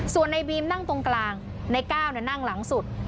ส่วนนายบีมนั่งตรงกลางนายก้าวน่ะนั่งหลังสุด